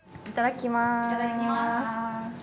いただきます。